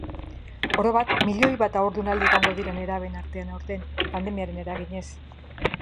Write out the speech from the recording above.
Orobat, milioi bat haurdunaldi egongo dira nerabeen artean aurten, pandemiaren eraginez.